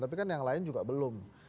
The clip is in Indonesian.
tapi kan yang lain juga belum